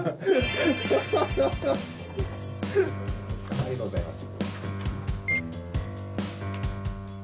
ありがとうございます。